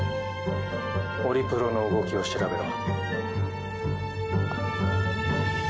オリプロの動きを調べろ。